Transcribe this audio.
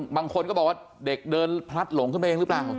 บางคนก็บอกว่าเด็กเดินพลัดหลงขึ้นไปเองหรือเปล่า